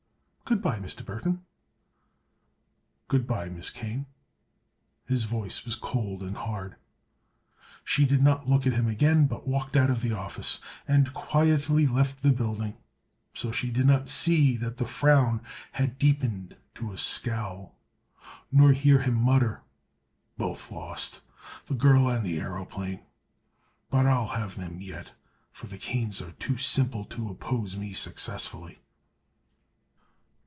Good bye, Mr. Burthon." "Good bye, Miss Kane." His voice was cold and hard. She did not look at him again, but walked out of the office and quietly left the building, so she did not see that the frown had deepened to a scowl, nor hear him mutter: "Both lost—the girl and the aëroplane! But I'll have them yet, for the Kanes are too simple to oppose me successfully."